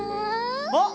あっ！